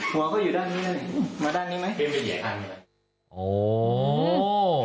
หัวเขาอยู่ด้านนี้ได้ไหมมาด้านนี้ไหม